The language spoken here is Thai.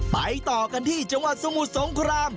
ไปต่อกันที่จังหวัดสมุทรสงคราม